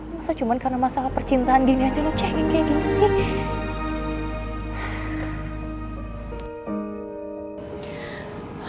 masa cuma karena masalah percintaan dini aja lu cari kayak gini sih